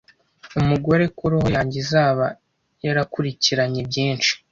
umugore ko roho yanjye izaba yarakurikiranye byinshi